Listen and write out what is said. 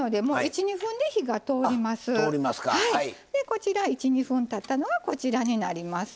こちら１２分たったのがこちらになります。